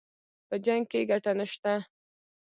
په جـنګ كښې ګټه نشته